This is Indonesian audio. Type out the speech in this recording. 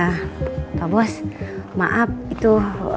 eh pak bos maap itu